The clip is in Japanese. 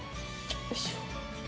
おいしょ。